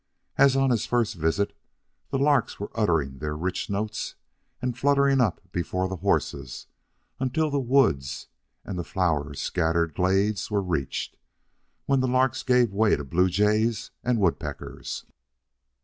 As on his first visit, the larks were uttering their rich notes and fluttering up before the horses until the woods and the flower scattered glades were reached, when the larks gave way to blue jays and woodpeckers.